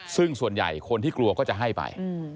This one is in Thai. ซึ่งส่วนใหญ่คนที่กลัวก็จะให้ไป